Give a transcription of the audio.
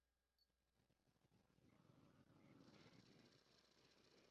Debe su fama a haber sido el maestro de Caravaggio.